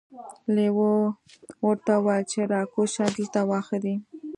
لیوه ورته وویل چې راکوزه شه دلته واښه دي.